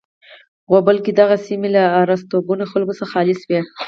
غوبل کې دغه سیمې له آر استوګنو خلکو څخه خالی شوې.